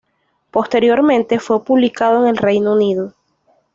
Posteriormente fue publicado en el Reino Unido.